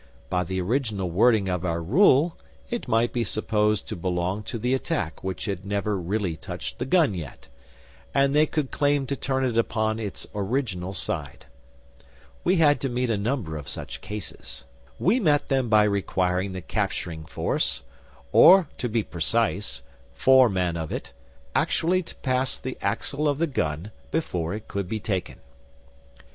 By the original wording of our rule, it might be supposed to belong to the attack which had never really touched the gun yet, and they could claim to turn it upon its original side. We had to meet a number of such cases. We met them by requiring the capturing force or, to be precise, four men of it actually to pass the axle of the gun before it could be taken.